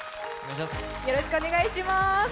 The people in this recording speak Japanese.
よろしくお願いします。